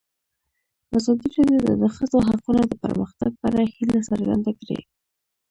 ازادي راډیو د د ښځو حقونه د پرمختګ په اړه هیله څرګنده کړې.